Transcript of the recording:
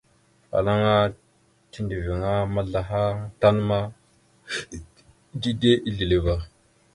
Afalaŋa tiɗəviŋ maslaha tan ma, dide isleva.